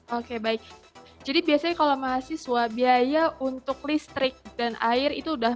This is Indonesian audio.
oke baik jadi biasanya kalau mahasiswa biaya untuk listrik dan air itu sudah